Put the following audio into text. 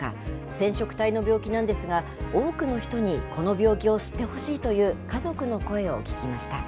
染色体の病気なんですが、多くの人にこの病気を知ってほしいという家族の声を聞きました。